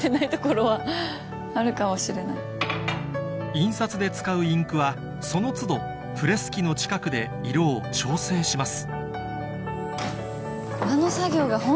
印刷で使うインクはその都度プレス機の近くで色を調整します